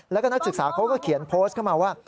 แล้วก็นักศึกษาเขาก็เขียนโพสต์เข้ามาว่า